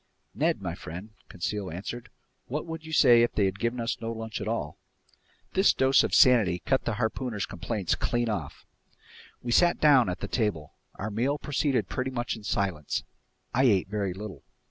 "Ned my friend," Conseil answered, "what would you say if they'd given us no lunch at all?" This dose of sanity cut the harpooner's complaints clean off. We sat down at the table. Our meal proceeded pretty much in silence. I ate very little.